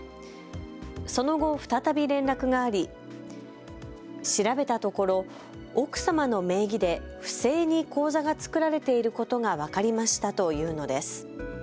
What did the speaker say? その後、再び連絡があり調べたところ奥様の名義で不正に口座が作られていることが分かりましたと言うのです。